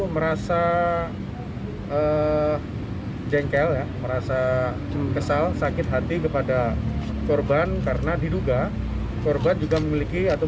merasa jengkel ya merasa kesal sakit hati kepada korban karena diduga korban juga memiliki atau